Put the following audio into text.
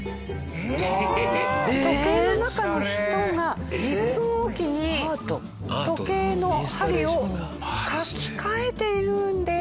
時計の中の人が１分おきに時計の針を書き替えているんです。